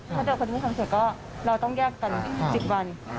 ถ้าเจอคนที่มีความสุขก็เราต้องแยกกัน๑๐วัน